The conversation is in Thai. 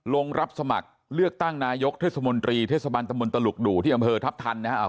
ลงรับสมัครเลือกตั้งนายกเทศมนตรีเทศบาลตะมนตลุกดู่ที่อำเภอทัพทันนะครับ